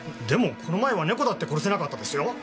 でもこの前は猫だって殺せなかったですよ？